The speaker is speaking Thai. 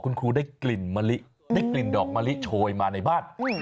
คุณครูได้กลิ่นมะลิได้กลิ่นดอกมะลิโชยมาในบ้าน